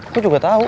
gue juga tau